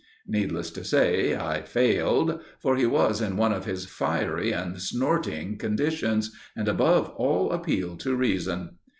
Needless to say, I failed, for he was in one of his fiery and snorting conditions and above all appeal to reason.